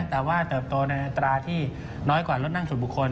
แต่ว่าเติบโตในอัตราที่น้อยกว่ารถนั่งส่วนบุคคล